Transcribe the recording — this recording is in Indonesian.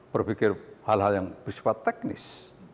berpikir hal hal yang bersifat teknis